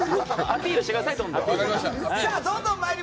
アピールしてください。